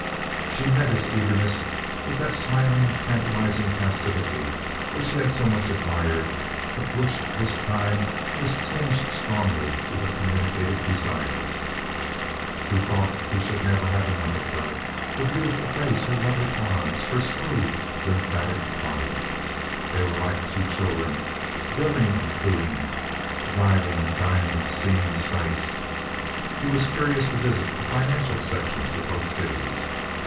She met his eagerness with that smiling, tantalizing passivity which he had so much admired but which this time was tinged strongly with a communicated desire. He thought he should never have enough of her, her beautiful face, her lovely arms, her smooth, lymphatic body. They were like two children, billing and cooing, driving, dining, seeing the sights. He was curious to visit the financial sections of both cities.